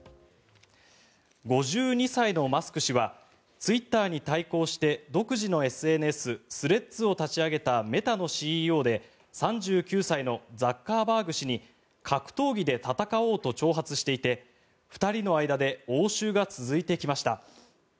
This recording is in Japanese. ５２歳のマスク氏はツイッターに対抗して独自のＳＮＳスレッズを立ち上げたメタのＣＥＯで３９歳のザッカーバーグ氏に格闘技で戦おうと挑発していて２人の間で応酬が続いてきました。